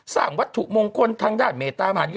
สร้างวัตถุมงคลทางด้านเมเตอร์อำ